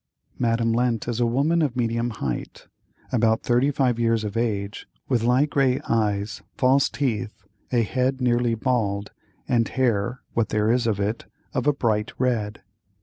Madame Lent is a woman of medium height, about thirty five years of age, with light grey eyes, false teeth, a head nearly bald, and hair, what there is of it, of a bright red.